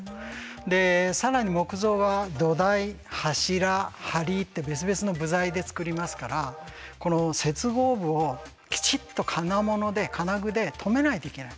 で更に木造は土台柱はりって別々の部材で造りますから接合部をきちっと金物で金具で留めないといけない。